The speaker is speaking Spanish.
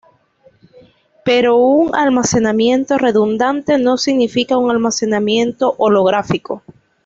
Pero un almacenamiento redundante no significa un almacenamiento holográfico.